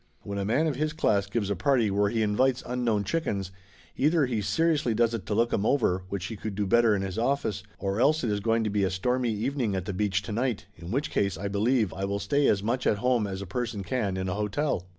When a man of his class gives a party where he invites unknown chickens, either he seriously does it to look 'em over, which he could do better in his office, or else it is going to be a stormy evening at the beach to night, in which case I believe I will stay as much at home as a person can in a hotel."